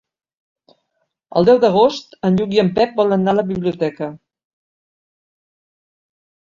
El deu d'agost en Lluc i en Pep volen anar a la biblioteca.